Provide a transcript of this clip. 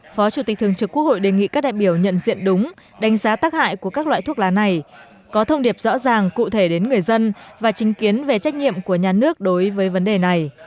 phó chủ tịch thường trực quốc hội đề nghị các đại biểu nhận diện đúng đánh giá tác hại của các loại thuốc lá này có thông điệp rõ ràng cụ thể đến người dân và trinh kiến về trách nhiệm của nhà nước đối với vấn đề này